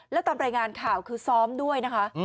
แล้วตามรายงานข่าวคือซ้อมด้วยนะคะ